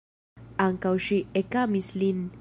Ankaŭ ŝi ekamis lin.